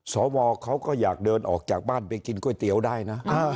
สวเขาก็อยากเดินออกจากบ้านไปกินก๋วยเตี๋ยวได้นะ